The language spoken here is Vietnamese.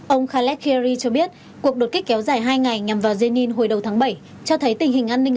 ông khaled khayerry cho biết cuộc đột kích kéo dài hai ngày nhằm vào jenni hồi đầu tháng bảy cho thấy tình hình an ninh